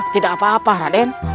tidak apa apa raden